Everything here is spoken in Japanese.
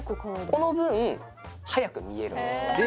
この分速く見えるんですへえ